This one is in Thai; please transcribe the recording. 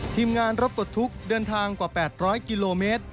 ทีมงานรถปลดทุกข์เดินทางกว่า๘๐๐กิโลเมตร